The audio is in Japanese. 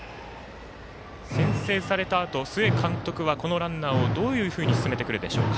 先制されたあと、須江監督はどういうふうに進めてくるでしょうか。